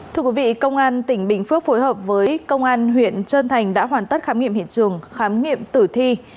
thưa quý vị công an tỉnh bình phước phối hợp với công an huyện trơn thành đã hoàn tất khám nghiệm hiện trường khám nghiệm tử thi